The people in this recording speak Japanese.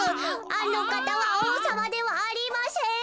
あのかたはおうさまではありましぇん。